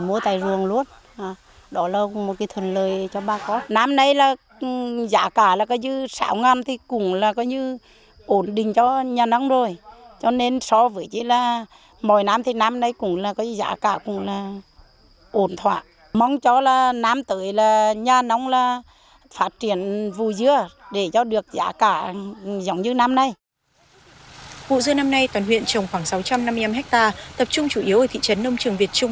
vụ dưa năm nay toàn huyện trồng khoảng sáu trăm năm mươi năm hectare tập trung chủ yếu ở thị trấn nông trường việt trung